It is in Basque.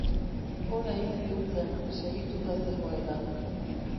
Orain ziur zen, segituta zegoela.